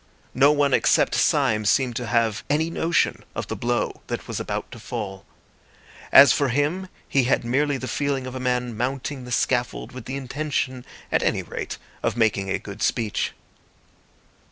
No one except Syme seemed to have any notion of the blow that was about to fall. As for him, he had merely the feeling of a man mounting the scaffold with the intention, at any rate, of making a good speech.